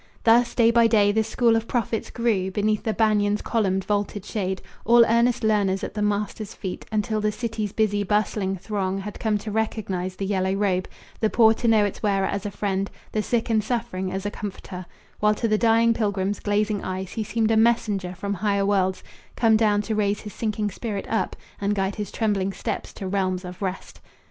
Thus, day by day, this school of prophets grew, Beneath the banyan's columned, vaulted shade, All earnest learners at the master's feet, Until the city's busy, bustling throng Had come to recognize the yellow robe, The poor to know its wearer as a friend, The sick and suffering as a comforter, While to the dying pilgrim's glazing eyes He seemed a messenger from higher worlds Come down to raise his sinking spirit up And guide his trembling steps to realms of rest.